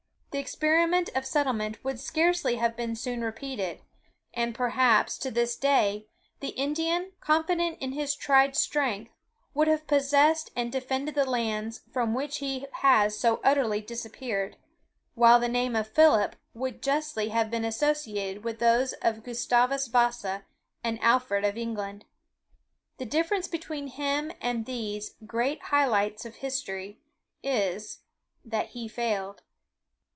The experiment of settlement would scarcely have been soon repeated; and, perhaps, to this day, the Indian, confident in his tried strength, would have possessed and defended the lands from which he has so utterly disappeared; while the name of Philip would justly have been associated with those of Gustavus Vasa, and Alfred of England. The difference between him and these great lights of history, is, that he failed.